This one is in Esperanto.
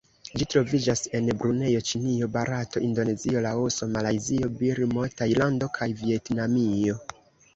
Ĝi troviĝas en Brunejo, Ĉinio, Barato, Indonezio, Laoso, Malajzio, Birmo, Tajlando kaj Vjetnamio.